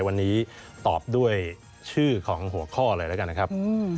วันนี้ตอบด้วยชื่อของหัวข้อเลยแล้วกันนะครับ